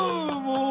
もう。